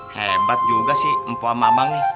hebat juga sih empuam abang nih